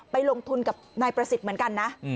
ลงทุนกับนายประสิทธิ์เหมือนกันนะ